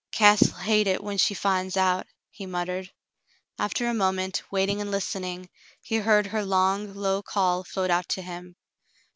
*'Cass'll hate hit when she finds out," he muttered. After a moment, waiting and listening, he heard her long, low call float out to him.